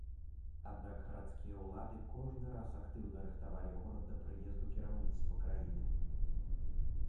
Аднак гарадскія ўлады кожны раз актыўна рыхтавалі горад да прыезду кіраўніцтва краіны.